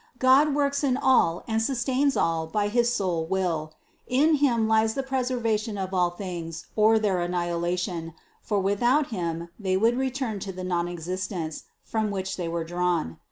God works in all and sustains all by his sole will; in Him lies the preservation of all things or their annihilation, for without Him they would return to the non existence, from which they were drawn.